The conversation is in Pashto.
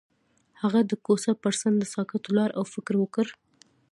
هغه د کوڅه پر څنډه ساکت ولاړ او فکر وکړ.